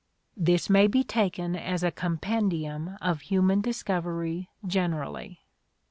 This may be taken as a compendium of human discovery generally.